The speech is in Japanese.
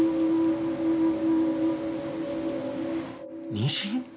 妊娠？